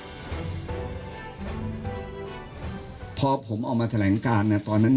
อุโดมการจดจดย้ายไม่ค่ะ